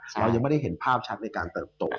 เรายังไม่ได้เห็นภาพชัดในการเติบโต